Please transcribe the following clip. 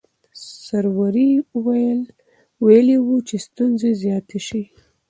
سروري ویلي وو چې ستونزې زیاتې شوې.